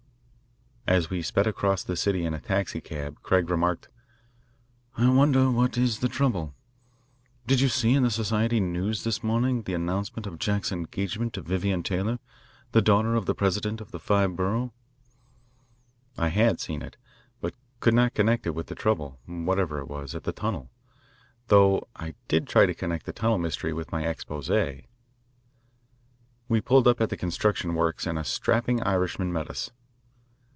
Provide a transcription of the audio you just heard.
As we sped across the city in a taxicab, Craig remarked: "I wonder what is the trouble? Did you see in the society news this morning the announcement of Jack's engagement to Vivian Taylor, the daughter of the president of the Five Borough?" I had seen it, but could not connect it with the trouble, whatever it was, at the tunnel, though I did try to connect the tunnel mystery with my expose. We pulled up at the construction works, and a strapping Irishman met us.